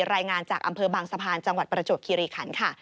รายงานจากอำเภอบางสะพานจังหวัดประจวบคิริขันค่ะ